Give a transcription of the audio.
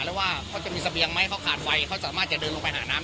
แล้วว่าเขาจะมีเสบียงไหมเขาขาดไวเขาสามารถจะเดินลงไปหาน้ำ